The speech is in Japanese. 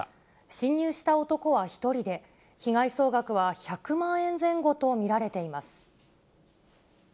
侵入した男は１人で、被害総額は１００万円前後と見られています。